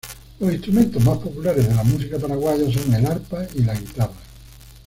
Los instrumentos más populares de la música paraguaya son el arpa y la guitarra.